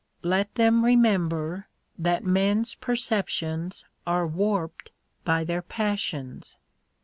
Let them remember that men's perceptions are warped by their passions.